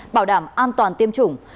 bảo đảm an toàn tiêm chủng